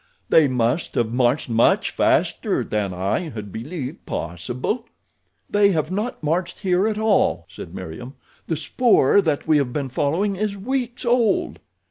"They must have marched much faster than I had believed possible." "They have not marched here at all," said Meriem. "The spoor that we have been following is weeks old."